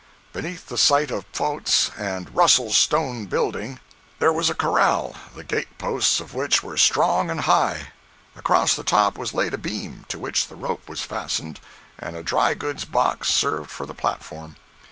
Beneath the site of Pfouts and Russell's stone building there was a corral, the gate posts of which were strong and high. Across the top was laid a beam, to which the rope was fastened, and a dry goods box served for the platform.